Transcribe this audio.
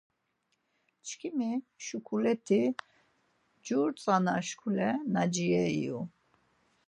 Şǩimi şuǩuleti cur tzana şuǩule Naciye iyu.